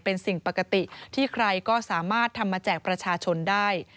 เป็นสิ่งปกติที่ใครก็สามารถทำมาแจกประชาชนได้